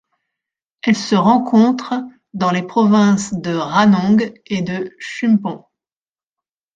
Elle se rencontre dans les provinces de Ranong et de Chumpon.